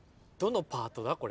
どのパートだ？